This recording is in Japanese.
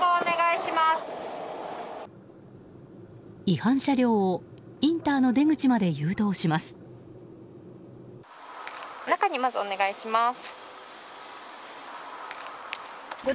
違反車両をインターの出口まで誘導します。